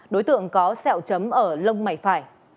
đối tượng có sẹo chấm ở lông mảy phải